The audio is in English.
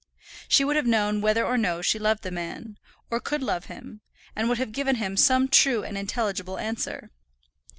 She would have known whether or no she loved the man, or could love him, and would have given him some true and intelligible answer.